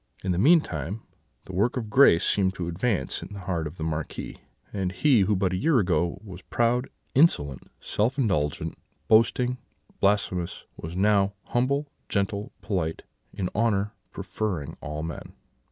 In the meantime the work of grace seemed to advance in the heart of the Marquis, and he who but a year ago was proud, insolent, self indulgent, boasting, blasphemous, was now humble, gentle, polite, in honour preferring all men.